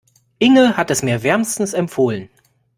Inge hat es mir wärmstens empfohlen.